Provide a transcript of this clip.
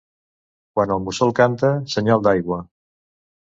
Quan el mussol canta, senyal d'aigua.